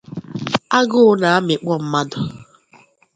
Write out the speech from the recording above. Agụụ na-amịkpọ mmadụ